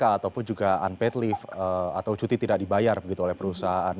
atau pun juga unpaid leave atau cuti tidak dibayar begitu oleh perusahaan